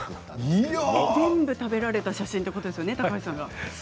全部、食べられた写真ということですよね、高橋さんが。